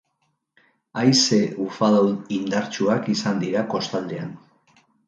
Haize-ufada indartsuak izan dira kostaldean.